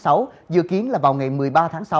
và kỳ thi sẽ diễn ra vào ngày một mươi ba tháng sáu